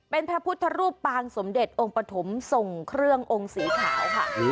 เป็นพระพุทธรูปปางสมเด็จองค์ปฐมส่งเครื่ององค์สีขาวค่ะ